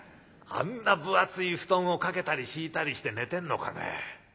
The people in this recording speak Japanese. あんな分厚い布団をかけたり敷いたりして寝てんのかね。